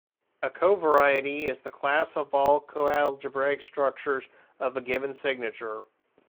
A covariety is the class of all coalgebraic structures of a given signature.